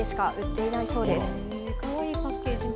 かわいい、パッケージも。